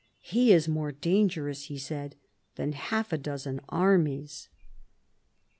" He is more dangerous," he said, " than half a dozen armies."